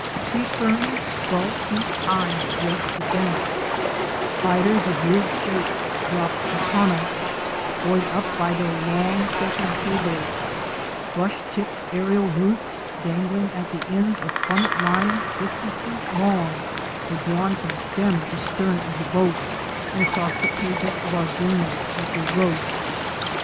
Tree ferns twelve feet high draped the banks; spiders of weird shapes dropped upon us, buoyed up by their long silken cables; brush tipped aérial roots dangling at the ends of plummet lines fifty feet long were drawn from stem to stern of the boat and across the pages of our journals as we wrote.